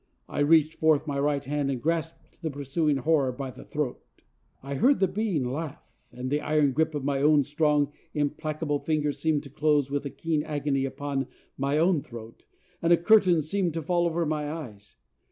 I reached forth my right hand and grasped the pursuing horror by the throat. I heard the being laugh, and the iron grip of my own strong and implacable fingers seemed to close with a keen agony upon my own throat, and a curtain seemed to fall over my eyes.